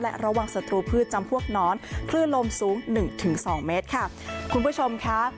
และระวังศัตรูพืชจำพวกน้อนพลื่นลมสูง๑๒เมตรค่ะ